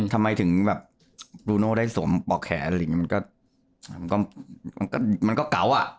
ทำไมถึงแบบบรูโนได้สมป่อแขนอะไรอย่างงี้มันก็เกาะอ่ะ